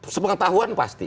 semangat tahuan pasti